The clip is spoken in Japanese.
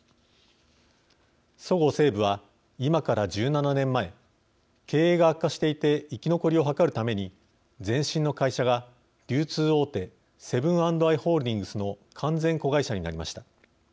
そごう・西武は今から１７年前経営が悪化していて生き残りを図るために前身の会社が流通大手セブン＆アイ・ホールディングスの完全子会社になりました。